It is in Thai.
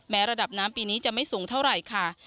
ระดับน้ำปีนี้จะไม่สูงเท่าไหร่ค่ะ